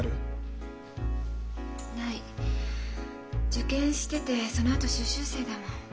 受験しててそのあと修習生だもん。